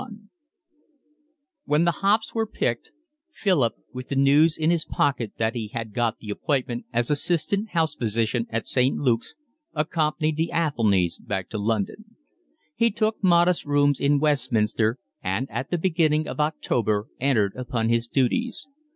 CXXI When the hops were picked, Philip with the news in his pocket that he had got the appointment as assistant house physician at St. Luke's, accompanied the Athelnys back to London. He took modest rooms in Westminster and at the beginning of October entered upon his duties.